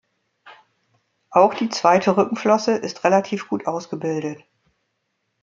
Auch die zweite Rückenflosse ist relativ gut ausgebildet.